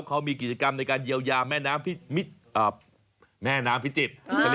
เขามีกิจกรรมในการเยียวยาแม่น้ำพิจิตร